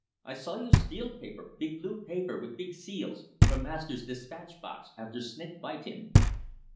I saw you steal paper big blue paper with big seals from master's despatch box after snake bite him."